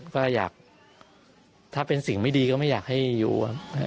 ก็อยากถ้าเป็นสิ่งไม่ดีก็ไม่อยากให้อยู่ครับ